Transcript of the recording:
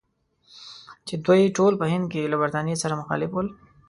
چې دوی ټول په هند کې له برټانیې سره مخالف ول.